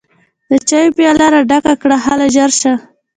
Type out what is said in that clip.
د چايو پياله راډکه کړه هله ژر شه!